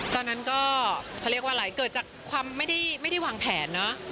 ตอนนั้นก็เขาเรียกว่าอะไรเกิดจากความไม่ได้วางแผนเนอะ